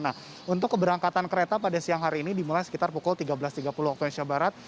nah untuk keberangkatan kereta pada siang hari ini dimulai sekitar pukul tiga belas tiga puluh waktu indonesia barat